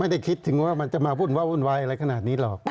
ไม่ได้คิดถึงว่ามันจะมาวุ่นวาวุ่นวายอะไรขนาดนี้หรอก